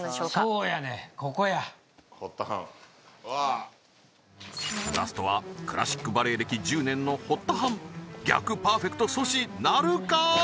ここや堀田はんうわーラストはクラシックバレエ歴１０年の堀田はん逆パーフェクト阻止なるか？